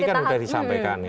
ya tadi kan sudah disampaikan ya